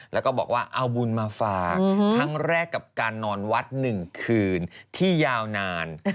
แล้วก็บอกว่าเอาบุญมาฝากครั้งแรกกับการนอนวัด๑คืนที่ยาวนาน